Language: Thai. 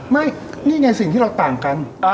ไม่นี่ไงสิ่งที่เราต่างกัน